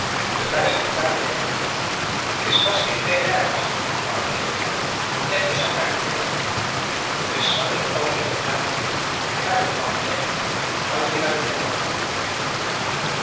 The mate rallied* ''This must be cleared out," cried he, " lend us a hand here." They smothered the body in a blanket, carried it on deck, and hove it overboard.